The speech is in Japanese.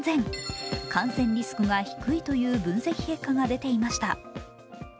感染リスクが低いという分析結果が出ていました。